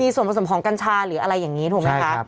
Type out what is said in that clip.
มีส่วนประสงค์ของกัญชาหรืออะไรอย่างนี้ถูกมั้ยคะ